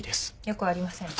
よくありません。